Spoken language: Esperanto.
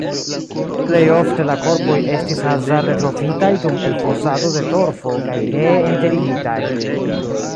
Plej ofte la korpoj estis hazarde trovitaj dum elfosado de torfo kaj ree enterigitaj.